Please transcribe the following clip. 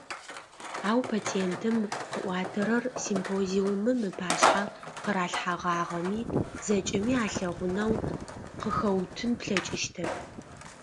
Ау, патентым къыӏуатэрэр, симпозиумым ыпашъхьэ къыралъхьэгъагъэми, зэкӏэми алъэгъунэу къыхэуутын плъэкӏыщтэп.